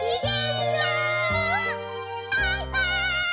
バイバイ！